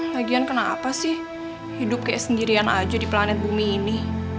lagian kenapa sih hidup kayak sendirian aja di planet bumi ini